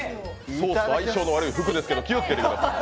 ソースと相性の悪い服ですけど気をつけてください。